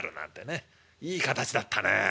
いい形だったね。